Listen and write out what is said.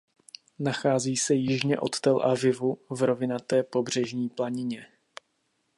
Nachází se jižně od Tel Avivu v rovinaté pobřežní planině.